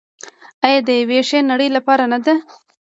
آیا د یوې ښې نړۍ لپاره نه ده؟